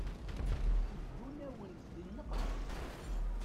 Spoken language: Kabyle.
Teddun-awent di nneqma.